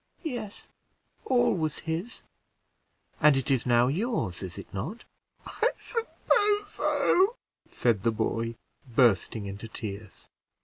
"Yes, all was his." "And it is now yours, is it not?" "I suppose so," said the boy, bursting into tears.